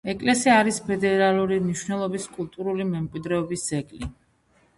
ეკლესია არის ფედერალური მნიშვნელობის კულტურული მემკვიდრეობის ძეგლი.